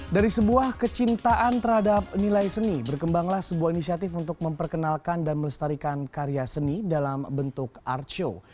dari sebuah kecintaan terhadap nilai seni berkembanglah sebuah inisiatif untuk memperkenalkan dan melestarikan karya seni dalam bentuk artshow